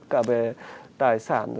cả về tài sản